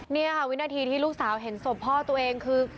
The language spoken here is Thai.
นี่ค่ะวินาทีที่ลูกสาวเห็นศพพ่อตัวเองคือ